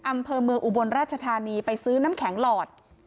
อำเภอเมืองอุบลราชธานีไปซื้อน้ำแข็งหลอด